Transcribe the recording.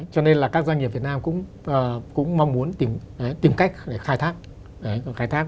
cho nên là các doanh nghiệp việt nam cũng mong muốn tìm cách khai thác